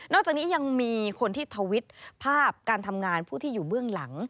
อกจากนี้ยังมีคนที่ทวิตภาพการทำงานผู้ที่อยู่เบื้องหลัง